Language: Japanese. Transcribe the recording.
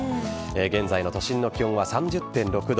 現在の都心の気温は３０．６度。